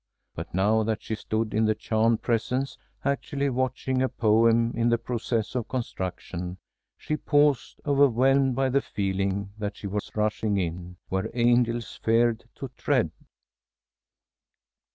But now that she stood in the charmed presence, actually watching a poem in the process of construction, she paused, overwhelmed by the feeling that she was rushing in "where angels feared to tread."